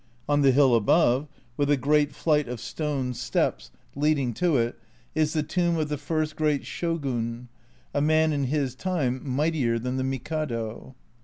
On the hill above, with a great flight of stone steps 62 A Journal from Japan leading to it, is the tomb of the first great Shogun, a man in his time mightier than the Mikado.